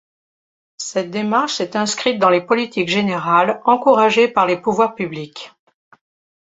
Cette démarche s'est inscrite dans les politiques générales encouragées par les pouvoirs publics.